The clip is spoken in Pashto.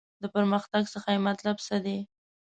له پرمختګ څخه یې مطلب څه دی.